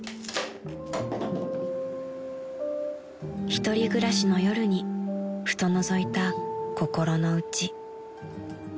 ［１人暮らしの夜にふとのぞいた心の内］